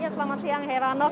selamat siang heranov